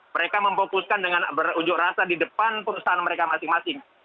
mereka memfokuskan dengan berunjuk rasa di depan perusahaan mereka masing masing